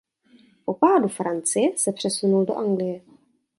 Po pádu Francie se přesunul do Anglie.